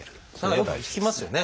よく聞きますよね。